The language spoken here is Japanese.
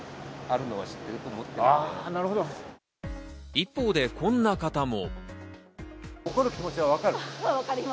一方でこんな方も。